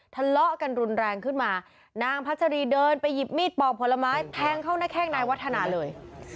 ทะเลาะกันรุนแรงขึ้นมานางพัชรีเดินไปหยิบมีดปอกผลไม้แทงเข้าหน้าแข้งนายวัฒนาเลย